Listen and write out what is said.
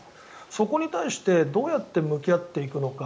そこに対してどうやって向き合っていくのか